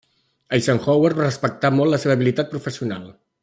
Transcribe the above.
Eisenhower respectà molt la seva habilitat professional.